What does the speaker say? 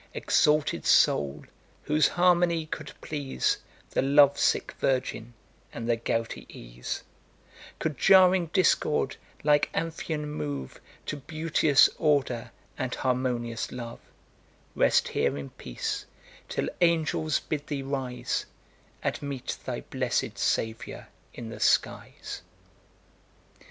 A.D. 1740.] 'Exalted soul! whose harmony could please The love sick virgin, and the gouty ease; Could jarring discord, like Amphion, move To beauteous order and harmonious love; Rest here in peace, till angels bid thee rise, And meet thy blessed Saviour in the skies.'